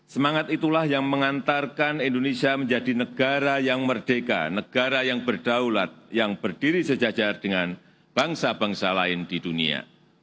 semangat itulah yang mengantarkan indonesia menjadi negara yang merdeka negara yang berdaulat yang berdiri sejajar dengan bangsa bangsa lain di dunia